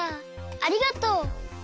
ありがとう。